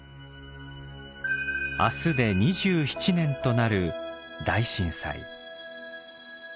明日で２７年となる大震災。